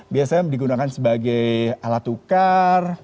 biasanya digunakan sebagai alat tukar